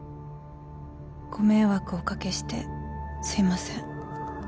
「ご迷惑をおかけしてすみません」